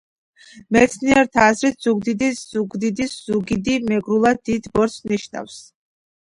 მეცნიერთა აზრით ზუგდიდი, ზურგდიდი, ზუგიდი – მეგრულად დიდ ბორცვს ნიშნავს.